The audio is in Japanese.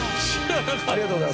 ありがとうございます。